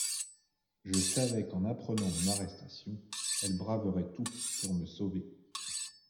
Je savais qu'en apprenant mon arrestation elle braverait tout pour me sauver.